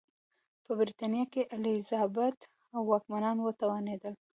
په برېټانیا کې الیزابت او واکمنان وتوانېدل.